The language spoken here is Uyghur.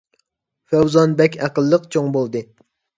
فەۋزان بەك ئەقىللىق چوڭ بولدى